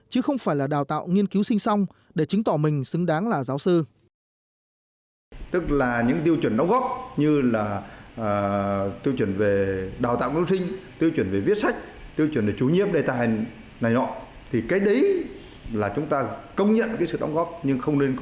chứ không phải là đào tạo nghiên cứu sinh xong để chứng tỏ mình xứng đáng là giáo sư